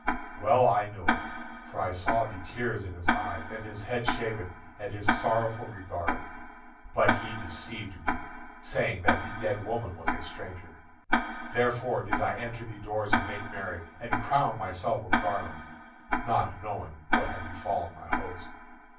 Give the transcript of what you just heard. "Well I knew it; for I saw the tears in his eyes, and his head shaven, and his sorrowful regard; but he deceived me, saying that the dead woman was a stranger. Therefore did I enter the doors and make merry, and crown myself with garlands, not knowing what had befallen my host.